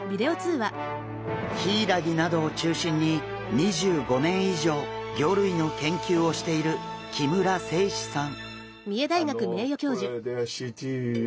ヒイラギなどを中心に２５年以上魚類の研究をしている木村清志さん。